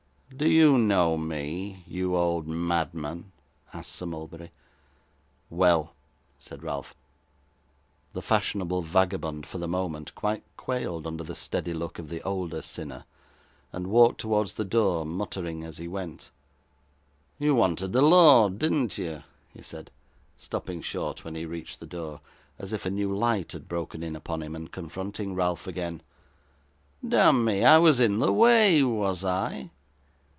'Do you know me, you old madman?' asked Sir Mulberry. 'Well,' said Ralph. The fashionable vagabond for the moment quite quailed under the steady look of the older sinner, and walked towards the door, muttering as he went. 'You wanted the lord, did you?' he said, stopping short when he reached the door, as if a new light had broken in upon him, and confronting Ralph again. 'Damme, I was in the way, was I?